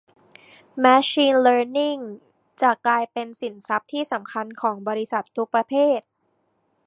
แมชชีนเลิร์นนิ่งจะกลายเป็นสินทรัพย์ที่สำคัญของบริษัททุกประเภท